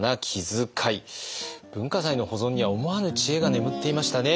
文化財の保存には思わぬ知恵が眠っていましたね。